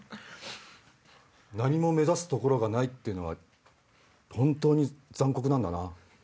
何も目指すところがないってのは本当に残酷なんだな。